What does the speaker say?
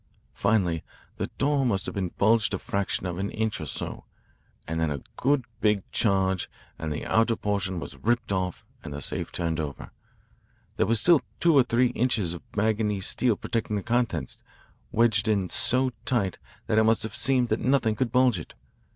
Finally the door must have bulged a fraction of an inch or so, and then a good big charge and the outer portion was ripped off and the safe turned over. There was still two or three inches of manganese steel protecting the contents, wedged in so tight that it must have seemed that nothing could budge it.